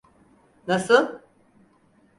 Nasıl?